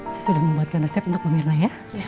saya sudah membuatkan resep untuk bu mirna ya